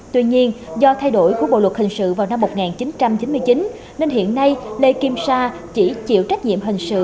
tuy nhiên do thay đổi của bộ luật hình sự vào năm một nghìn chín trăm chín mươi chín nên hiện nay lê kim sa chỉ chịu trách nhiệm hình sự